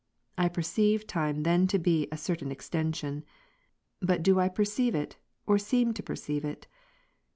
I perceive time then to be a certain extension. But do I perceive it, or seem to perceive it